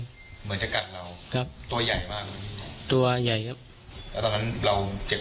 เหมือนจะกัดเราครับตัวใหญ่มากตัวใหญ่ครับแล้วตอนนั้นเราเจ็บ